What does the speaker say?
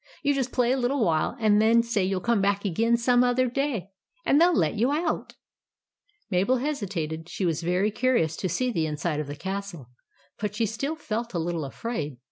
You just play a little while, and then say you '11 come back again some other day, and they '11 let you out." Mabel hesitated. She was very curious to see the inside of the castle, but she still felt a little afraid.